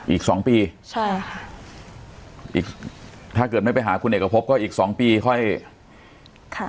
อีกสองปีใช่ค่ะอีกถ้าเกิดไม่ไปหาคุณเอกพบก็อีกสองปีค่อยค่ะ